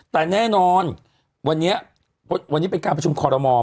แต่แน่นอนวันนี้เป็นการพัชมคอรมอม